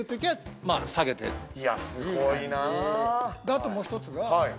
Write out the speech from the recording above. あともう１つが。